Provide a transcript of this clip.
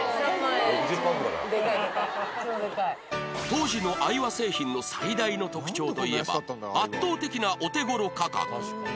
当時のアイワ製品の最大の特徴といえば圧倒的なお手頃価格